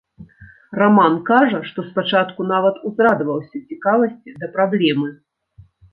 Раман кажа, што спачатку нават узрадаваўся цікавасці да праблемы.